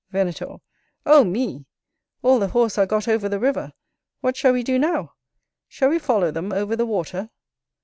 Venator. Oh me! all the horse are got over the river, what shall we do now? shall we follow them over the water?